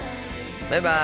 バイバイ！